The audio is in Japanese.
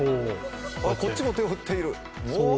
こっちも手を振っている！